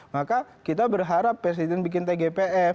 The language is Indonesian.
maka kita berharap presiden bikin tgpf